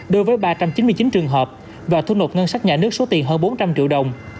đối với ba trăm chín mươi chín trường hợp và thu nộp ngân sách nhà nước số tiền hơn bốn trăm linh triệu đồng